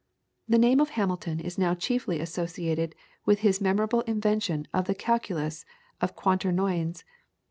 The name of Hamilton is now chiefly associated with his memorable invention of the calculus of Quaternions.